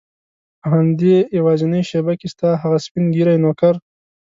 په همدې یوازینۍ شېبه کې ستا هغه سپین ږیری نوکر.